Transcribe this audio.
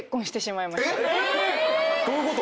どういうこと？